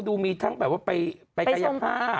ดูมีทั้งแบบว่าไปกายภาพ